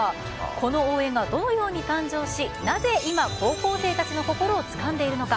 この応援がどのように誕生しなぜ今、高校生たちの心をつかんでいるのか。